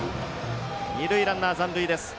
二塁ランナー残塁です。